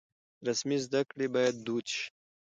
رسمي زده کړې بايد دود شي.